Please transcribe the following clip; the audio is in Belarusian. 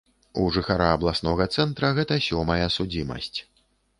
У жыхара абласнога цэнтра гэта сёмая судзімасць.